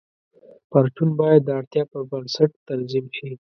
پرچون باید د اړتیا پر بنسټ تنظیم شي.